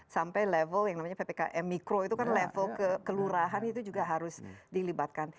sampai level yang namanya ppkm mikro itu kan level kelurahan itu juga harus dilibatkan